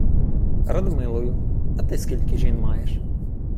— Радмилою. А ти скільки жін маєш?